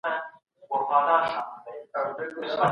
هغه د ټولنې د پرمختګ لپاره عصري فکرونه راوړل.